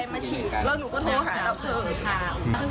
มาฉีดแล้วหนูก็โทรหาเราเถอะ